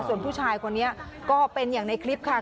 ส่วนผู้ชายคนนี้ก็เป็นอย่างในคลิปค่ะ